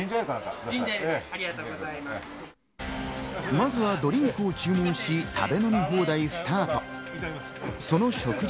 まずはドリンクを注文し、食べ飲み放題スタート。